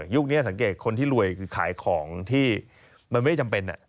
นี้สังเกตคนที่รวยคือขายของที่มันไม่จำเป็น